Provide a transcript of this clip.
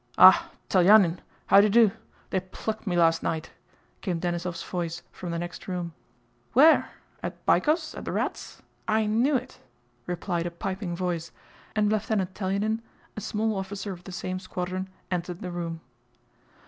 "Ah! Telyánin! How d'ye do? They plucked me last night," came Denísov's voice from the next room. "Where? At Bykov's, at the rat's... I knew it," replied a piping voice, and Lieutenant Telyánin, a small officer of the same squadron, entered the room.